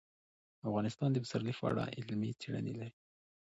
افغانستان د پسرلی په اړه علمي څېړنې لري.